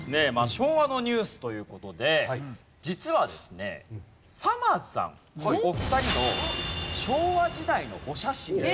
昭和のニュースという事で実はですねさまぁずさんお二人の昭和時代のお写真が。